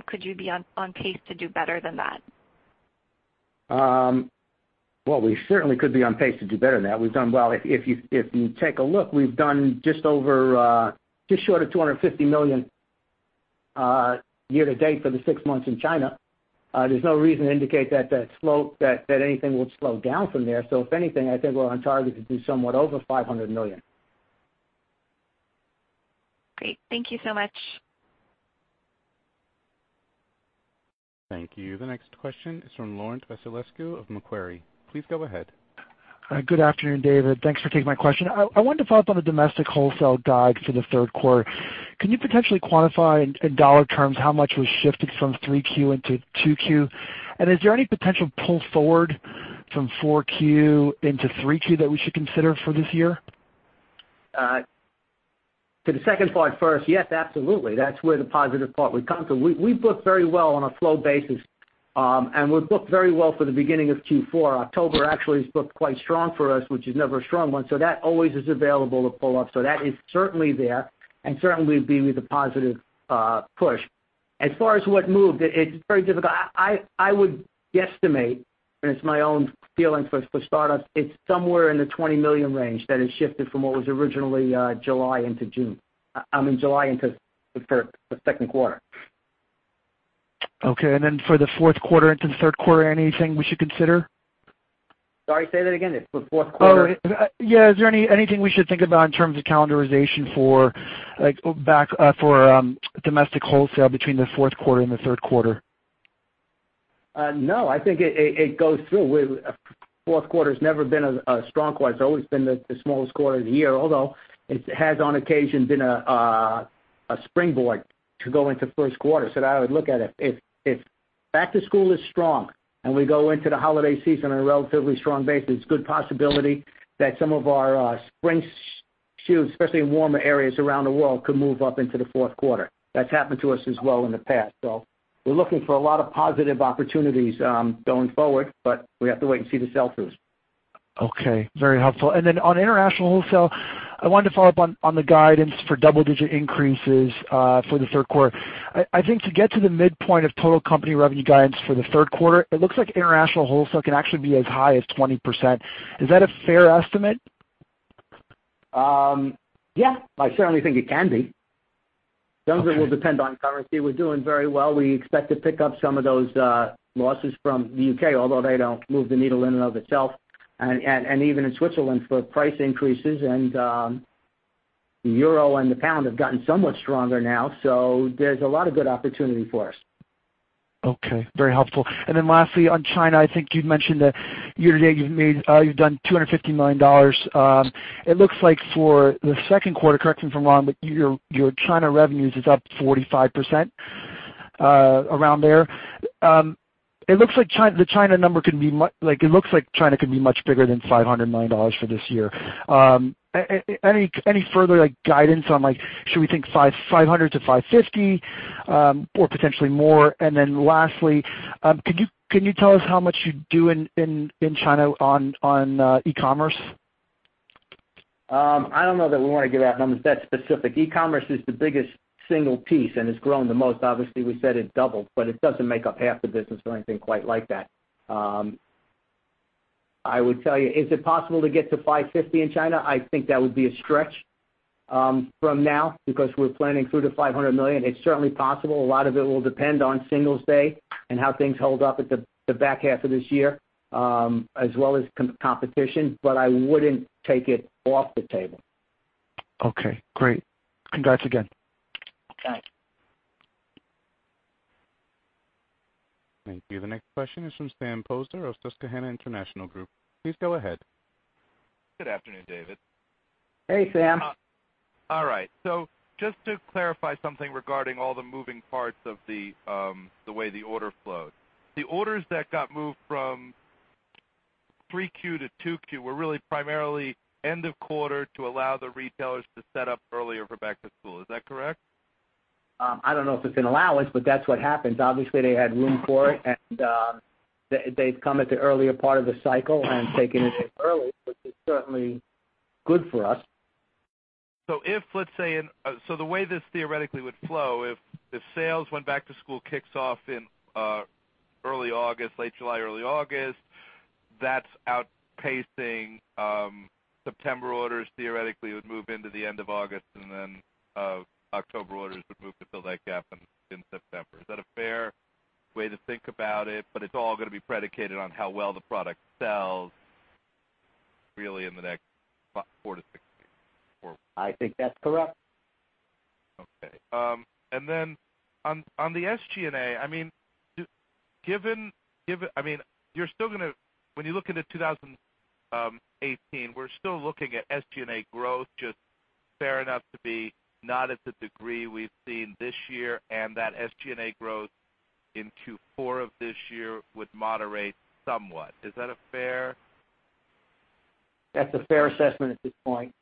could you be on pace to do better than that? Well, we certainly could be on pace to do better than that. We've done well. If you take a look, we've done just short of $250 million year to date for the six months in China. There's no reason to indicate that anything will slow down from there. If anything, I think we're on target to do somewhat over $500 million. Great. Thank you so much. Thank you. The next question is from Laurent Vasilescu of Macquarie. Please go ahead. Good afternoon, David. Thanks for taking my question. I wanted to follow up on the domestic wholesale guide for the third quarter. Can you potentially quantify in dollar terms how much was shifted from three Q into two Q? Is there any potential pull forward from four Q into three Q that we should consider for this year? To the second part first, yes, absolutely. That's where the positive part would come from. We've booked very well on a flow basis, we've booked very well for the beginning of Q4. October actually has booked quite strong for us, which is never a strong one. That always is available to pull up. That is certainly there and certainly would be with a positive push. As far as what moved, it's very difficult. I would guesstimate, it's my own feeling for startups, it's somewhere in the $20 million range that has shifted from what was originally July into June. I mean July into the second quarter. Okay. Then for the fourth quarter into the third quarter, anything we should consider? Sorry, say that again. It's for fourth quarter? Yeah. Is there anything we should think about in terms of calendarization for domestic wholesale between the fourth quarter and the third quarter? No. I think it goes through. Fourth quarter's never been a strong quarter. It's always been the smallest quarter of the year, although it has on occasion been a springboard to go into first quarter. That I would look at if back to school is strong and we go into the holiday season on a relatively strong basis, good possibility that some of our spring shoes, especially in warmer areas around the world, could move up into the fourth quarter. That's happened to us as well in the past. We're looking for a lot of positive opportunities going forward, but we have to wait and see the sell-throughs. Okay. Very helpful. Then on international wholesale, I wanted to follow up on the guidance for double-digit increases for the third quarter. I think to get to the midpoint of total company revenue guidance for the third quarter, it looks like international wholesale can actually be as high as 20%. Is that a fair estimate? Yeah, I certainly think it can be. Some of it will depend on currency. We're doing very well. We expect to pick up some of those losses from the U.K., although they don't move the needle in and of itself. Even in Switzerland for price increases, the euro and the pound have gotten somewhat stronger now. There's a lot of good opportunity for us. Okay. Very helpful. Lastly, on China, I think you'd mentioned that year to date you've done $250 million. It looks like for the second quarter, correct me if I'm wrong, your China revenues is up 45%, around there. It looks like China could be much bigger than $500 million for this year. Any further guidance on should we think $500 million-$550 million, or potentially more? Lastly, could you tell us how much you do in China on e-commerce? I don't know that we want to give out numbers that specific. E-commerce is the biggest single piece, and it's grown the most. Obviously, we said it doubled, but it doesn't make up half the business or anything quite like that. I would tell you, is it possible to get to $550 million in China? I think that would be a stretch from now because we're planning through to $500 million. It's certainly possible. A lot of it will depend on Singles' Day and how things hold up at the back half of this year, as well as competition. I wouldn't take it off the table. Okay, great. Congrats again. Thanks. Thank you. The next question is from Sam Poser of Susquehanna International Group. Please go ahead. Good afternoon, David. Hey, Sam. All right. Just to clarify something regarding all the moving parts of the way the order flows. The orders that got moved from 3Q to 2Q were really primarily end of quarter to allow the retailers to set up earlier for back to school. Is that correct? I don't know if it's an allowance, but that's what happens. Obviously, they had room for it, and they've come at the earlier part of the cycle and taken it in early, which is certainly good for us. The way this theoretically would flow, if sales, went back to school, kicks off in early August, late July, early August, that's outpacing September orders theoretically would move into the end of August, and then October orders would move to fill that gap in September. Is that a fair way to think about it? It's all going to be predicated on how well the product sells really in the next four to six weeks. I think that's correct. Okay. On the SG&A, when you look into 2018, we're still looking at SG&A growth just fair enough to be not at the degree we've seen this year, and that SG&A growth into four of this year would moderate somewhat. That's a fair assessment at this point.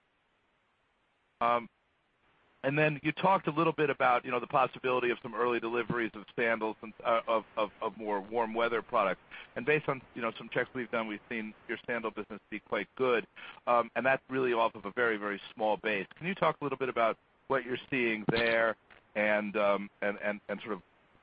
You talked a little bit about the possibility of some early deliveries of sandals, of more warm weather products. Based on some checks we've done, we've seen your sandal business be quite good. That's really off of a very, very small base. Can you talk a little bit about what you're seeing there and sort of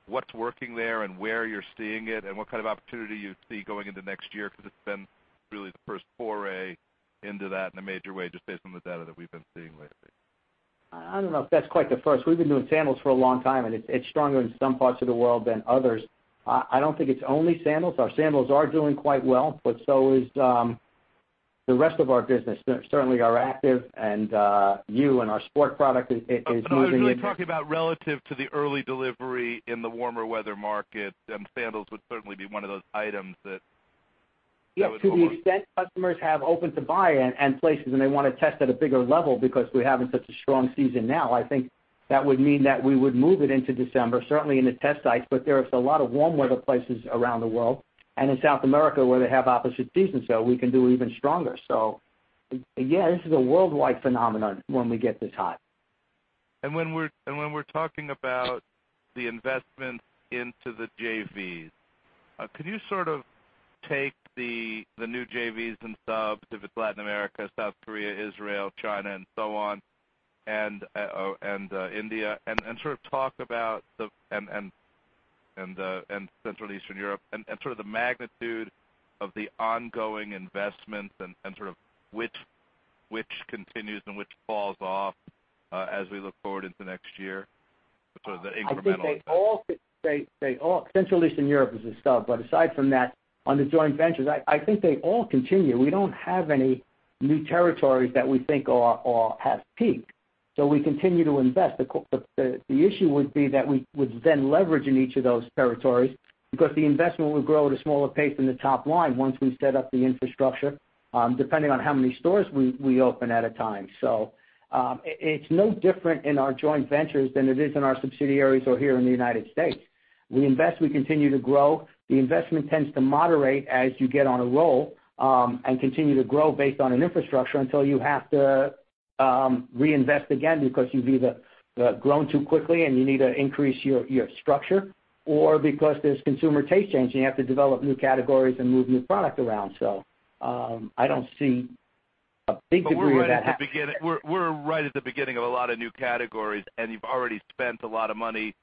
what's working there and where you're seeing it and what kind of opportunity you see going into next year? Because it's been really the first foray into that in a major way, just based on the data that we've been seeing lately. I don't know if that's quite the first. We've been doing sandals for a long time, and it's stronger in some parts of the world than others. I don't think it's only sandals. Our sandals are doing quite well, but so is the rest of our business. Certainly our Active and YOU by Skechers and our sport product is moving- No, I was really talking about relative to the early delivery in the warmer weather market, and sandals would certainly be one of those items that would- To the extent customers have open to buy in and places, they want to test at a bigger level because we're having such a strong season now. I think that would mean that we would move it into December, certainly in the test sites, but there's a lot of warm weather places around the world. In South America, where they have opposite seasons, we can do even stronger. This is a worldwide phenomenon when we get this hot. When we're talking about the investment into the JVs, could you sort of take the new JVs and subs, if it's Latin America, South Korea, Israel, China, and so on, India, and Central Eastern Europe, and sort of the magnitude of the ongoing investments and sort of which continues and which falls off as we look forward into next year? Sort of the incremental effect. I think they all-- Central Eastern Europe is a sub, aside from that, on the joint ventures, I think they all continue. We don't have any new territories that we think have peaked, we continue to invest. The issue would be that we would then leverage in each of those territories because the investment would grow at a smaller pace than the top line once we set up the infrastructure, depending on how many stores we open at a time. It's no different in our joint ventures than it is in our subsidiaries or here in the U.S.. We invest, we continue to grow. The investment tends to moderate as you get on a roll and continue to grow based on an infrastructure until you have to reinvest again because you've either grown too quickly and you need to increase your structure or because there's consumer taste change, and you have to develop new categories and move new product around. I don't see a big degree of that happening. We're right at the beginning of a lot of new categories, and you've already spent a lot of money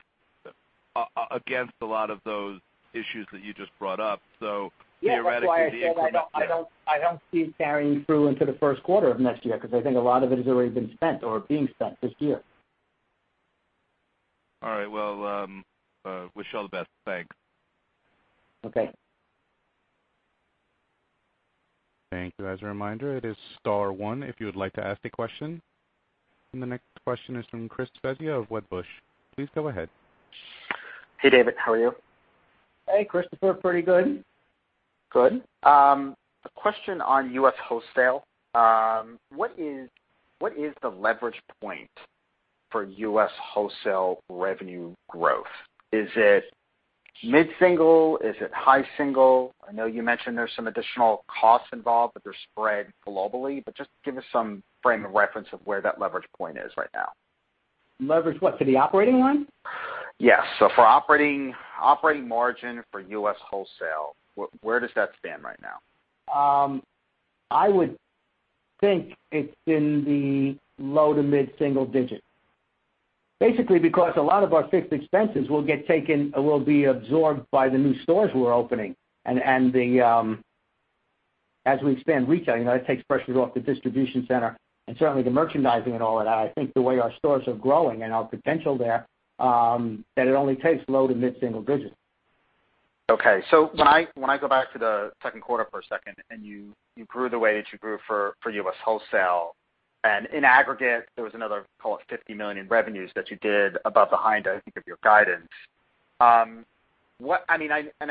against a lot of those issues that you just brought up. Theoretically. Yeah, that's why I said I don't see it carrying through into the first quarter of next year, because I think a lot of it has already been spent or being spent this year. All right. Well, wish you all the best. Thanks. Okay. Thank you. As a reminder, it is star one if you would like to ask a question. The next question is from Christopher Svezia of Wedbush. Please go ahead. Hey, David, how are you? Hey, Christopher. Pretty good. Good. A question on U.S. wholesale. What is the leverage point for U.S. wholesale revenue growth? Is it mid-single? Is it high single? I know you mentioned there's some additional costs involved, but they're spread globally. Just give us some frame of reference of where that leverage point is right now. Leverage what? To the operating line? Yes. For operating margin for U.S. wholesale, where does that stand right now? I would think it's in the low to mid-single digit %. Basically, because a lot of our fixed expenses will be absorbed by the new stores we're opening. As we expand retailing, that takes pressures off the distribution center and certainly the merchandising and all that. I think the way our stores are growing and our potential there, that it only takes low to mid-single digit %. Okay. When I go back to the second quarter for a second, and you grew the way that you grew for U.S. wholesale, and in aggregate, there was another, call it, $50 million in revenues that you did above behind, I think, of your guidance. I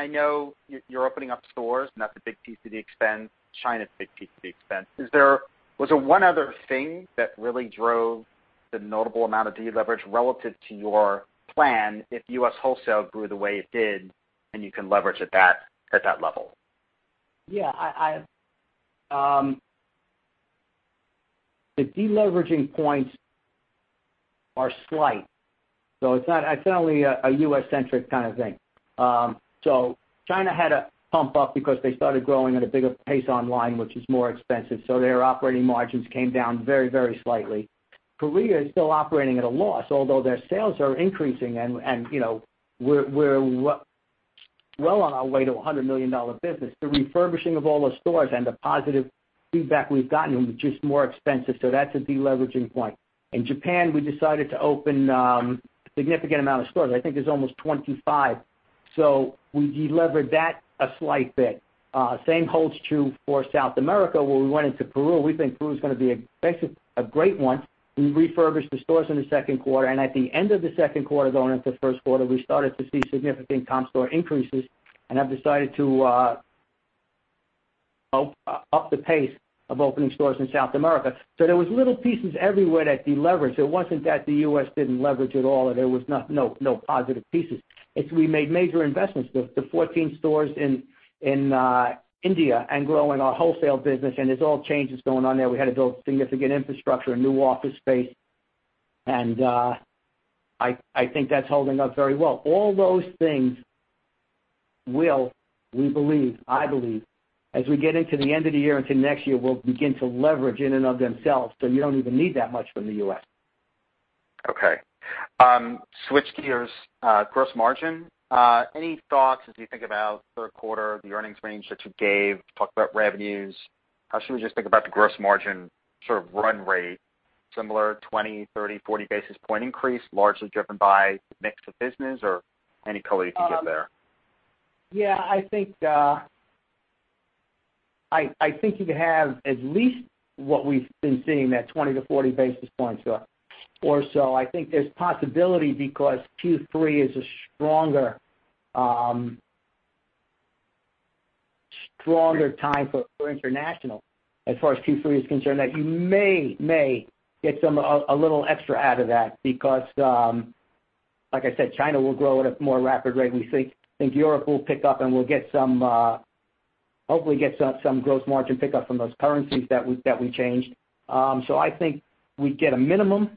know you're opening up stores, and that's a big piece of the expense. China's a big piece of the expense. Was there one other thing that really drove the notable amount of deleverage relative to your plan if U.S. wholesale grew the way it did and you can leverage at that level? Yeah. The deleveraging points are slight, so it's not only a U.S.-centric kind of thing. China had a pump up because they started growing at a bigger pace online, which is more expensive, so their operating margins came down very, very slightly. Korea is still operating at a loss, although their sales are increasing, and we're well on our way to a $100 million business. The refurbishing of all the stores and the positive feedback we've gotten, which is more expensive, so that's a deleveraging point. In Japan, we decided to open a significant amount of stores. I think there's almost 25. We delevered that a slight bit. Same holds true for South America, where we went into Peru. We think Peru's going to be a great one. We refurbished the stores in the second quarter. At the end of the second quarter going into the first quarter, we started to see significant comp store increases and have decided to up the pace of opening stores in South America. There was little pieces everywhere that deleveraged. It wasn't that the U.S. didn't leverage at all or there was no positive pieces. It's we made major investments. The 14 stores in India and growing our wholesale business. There's all changes going on there. We had to build significant infrastructure and new office space. I think that's holding up very well. All those things will, we believe, I believe, as we get into the end of the year into next year, will begin to leverage in and of themselves, so you don't even need that much from the U.S. Okay. Switch gears. Gross margin. Any thoughts as you think about third quarter, the earnings range that you gave, talked about revenues. How should we just think about the gross margin sort of run rate? Similar 20, 30, 40 basis point increase, largely driven by mix of business? Or any color you can give there. Yeah, I think you could have at least what we've been seeing, that 20 to 40 basis points or so. I think there's possibility because Q3 is a stronger time for international as far as Q3 is concerned, that you may get a little extra out of that because, like I said, China will grow at a more rapid rate. We think Europe will pick up. We'll hopefully get some gross margin pickup from those currencies that we changed. I think we get a minimum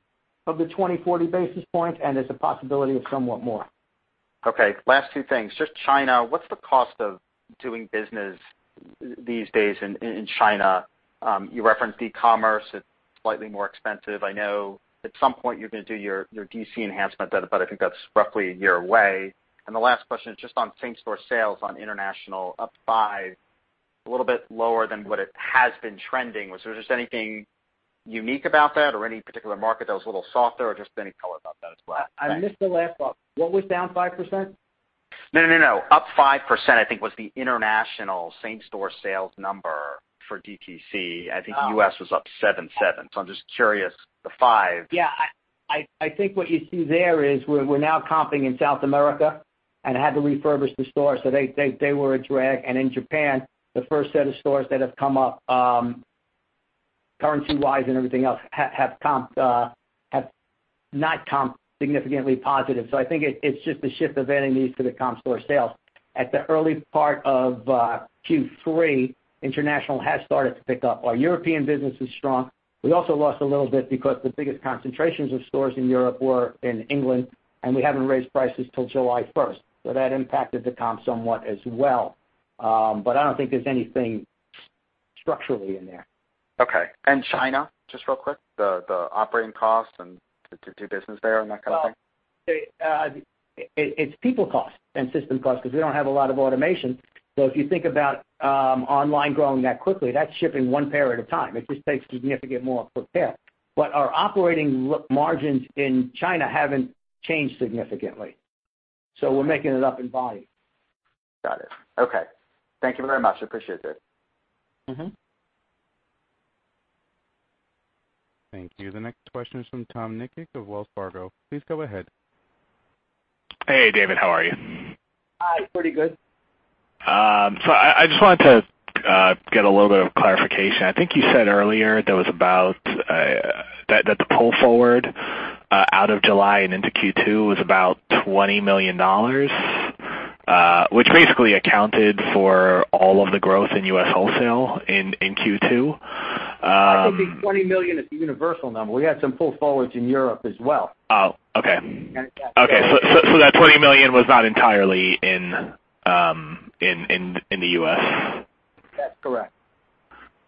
of the 20, 40 basis points. There's a possibility of somewhat more. Okay. Last two things. Just China, what's the cost of doing business these days in China? You referenced e-commerce. It's slightly more expensive. I know at some point you're going to do your DC enhancement, but I think that's roughly a year away. The last question is just on same store sales on international, up five, a little bit lower than what it has been trending. Was there just anything unique about that or any particular market that was a little softer or just any color about that as well? Thanks. I missed the last part. What was down 5%? No, no. Up 5%, I think, was the international same store sales number for DTC. I think U.S. was up seven. I'm just curious, the five. Yeah. I think what you see there is we're now comping in South America and had to refurbish the stores, they were a drag. In Japan, the first set of stores that have come up, currency-wise and everything else, have not comped significantly positive. I think it's just a shift of any of these to the comp store sales. At the early part of Q3, international has started to pick up. Our European business is strong. We also lost a little bit because the biggest concentrations of stores in Europe were in England, and we haven't raised prices till July 1st. That impacted the comps somewhat as well. I don't think there's anything structurally in there. Okay. China, just real quick, the operating cost and to do business there and that kind of thing? It's people cost and system cost because we don't have a lot of automation. If you think about online growing that quickly, that's shipping one pair at a time. It just takes significantly more per pair. Our operating margins in China haven't changed significantly. We're making it up in volume. Got it. Okay. Thank you very much. Appreciate it. Thank you. The next question is from Tom Nikic of Wells Fargo. Please go ahead. Hey, David. How are you? Pretty good. I just wanted to get a little bit of clarification. I think you said earlier that the pull forward out of July and into Q2 was about $20 million, which basically accounted for all of the growth in U.S. wholesale in Q2. I think the $20 million is a universal number. We had some pull forwards in Europe as well. Oh, okay. That $20 million was not entirely in the U.S. That's correct.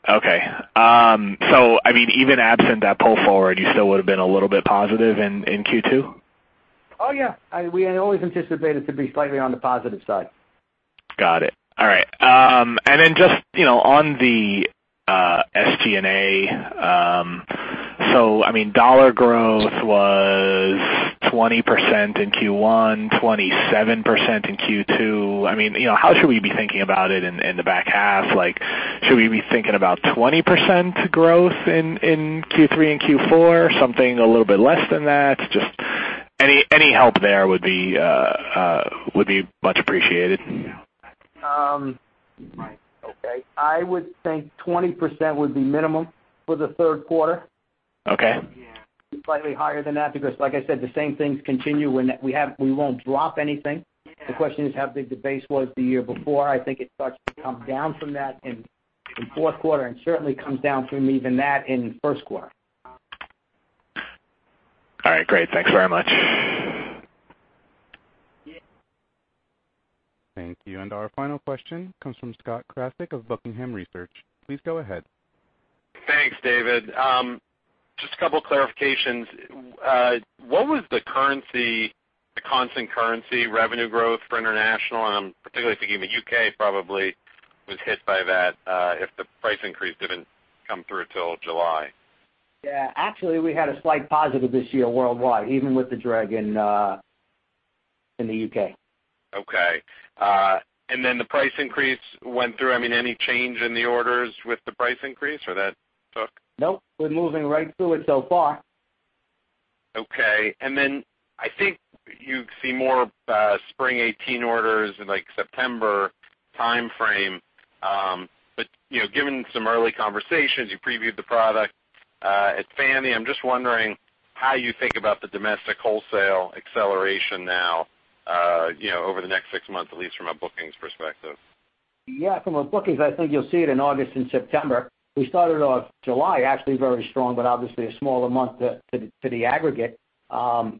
Okay. I mean, even absent that pull forward, you still would've been a little bit positive in Q2? Oh, yeah. We had always anticipated to be slightly on the positive side. Got it. All right. Then just on the SG&A. I mean, dollar growth was 20% in Q1, 27% in Q2. How should we be thinking about it in the back half? Should we be thinking about 20% growth in Q3 and Q4? Something a little bit less than that? Just any help there would be much appreciated. Okay. I would think 20% would be minimum for the third quarter. Okay. Slightly higher than that because like I said, the same things continue. We won't drop anything. The question is how big the base was the year before. I think it starts to come down from that in fourth quarter, and certainly comes down from even that in first quarter. All right, great. Thanks very much. Thank you. Our final question comes from Scott Krasik of Buckingham Research. Please go ahead. Thanks, David. Just a couple clarifications. What was the constant currency revenue growth for international, and I'm particularly thinking the U.K. probably was hit by that, if the price increase didn't come through till July? Yeah. Actually, we had a slight positive this year worldwide, even with the drag in the U.K. Okay. The price increase went through. Any change in the orders with the price increase or that took? Nope, we're moving right through it so far. I think you see more spring 2018 orders in September timeframe. Given some early conversations, you previewed the product at FFANY. I'm just wondering how you think about the domestic wholesale acceleration now, over the next six months, at least from a bookings perspective. From a bookings, I think you'll see it in August and September. We started off July actually very strong, obviously a smaller month to the aggregate. I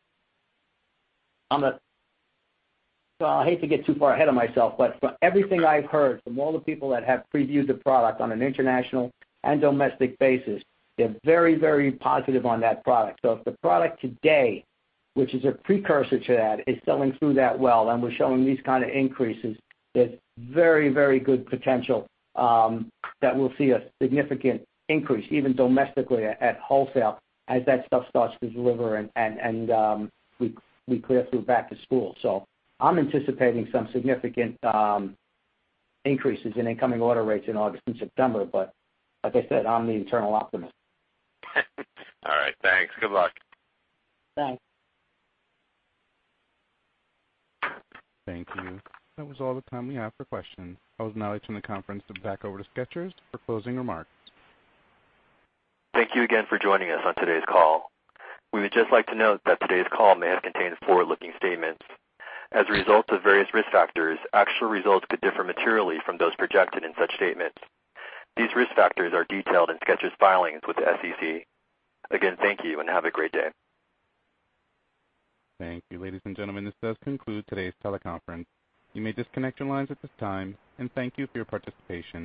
hate to get too far ahead of myself, from everything I've heard from all the people that have previewed the product on an international and domestic basis, they're very, very positive on that product. If the product today, which is a precursor to that, is selling through that well, and we're showing these kind of increases, there's very, very good potential that we'll see a significant increase even domestically at wholesale as that stuff starts to deliver and we clear through back to school. I'm anticipating some significant increases in incoming order rates in August and September, like I said, I'm the eternal optimist. All right, thanks. Good luck. Thanks. Thank you. That was all the time we have for questions. I will now turn the conference back over to Skechers for closing remarks. Thank you again for joining us on today's call. We would just like to note that today's call may have contained forward-looking statements. As a result of various risk factors, actual results could differ materially from those projected in such statements. These risk factors are detailed in Skechers' filings with the SEC. Again, thank you, and have a great day. Thank you, ladies and gentlemen. This does conclude today's teleconference. You may disconnect your lines at this time, and thank you for your participation.